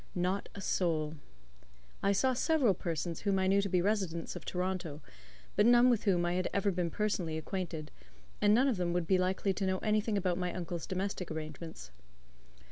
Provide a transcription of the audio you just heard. Not a soul. I saw several persons whom I knew to be residents of Toronto, but none with whom I had ever been personally acquainted, and none of them would be likely to know anything about my uncle's domestic arrangements.